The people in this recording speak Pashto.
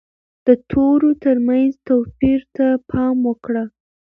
د تورو ترمنځ توپیر ته پام وکړه.